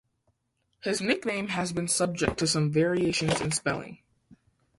His nickname has been subject to some variations in spelling.